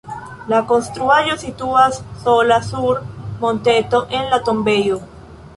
La konstruaĵo situas sola sur monteto en la tombejo.